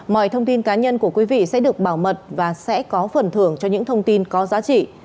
mọi thông tin cá nhân của quý vị sẽ được bảo mật và sẽ có phần thưởng cho những thông tin có giá trị